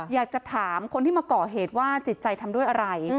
อยากจะถามคนที่มาก่อเหตุว่าจิตใจทำด้วยอะไร